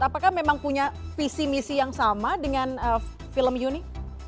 apakah memang punya visi misi yang sama dengan film you ini